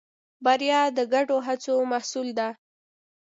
بریا د ګډو هڅو محصول ده.